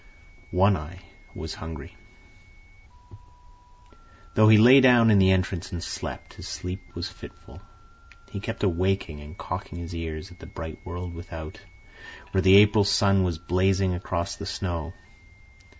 One Eye was hungry. Though he lay down in the entrance and slept, his sleep was fitful. He kept awaking and cocking his ears at the bright world without, where the April sun was blazing across the snow.